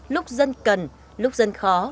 lúc dân cần lúc dân khó